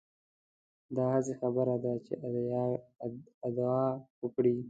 دا هسې خبره ده چې ادعا وکړي.